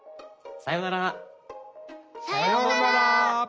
さようなら！